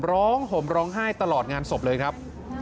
ห่มร้องไห้ตลอดงานศพเลยครับ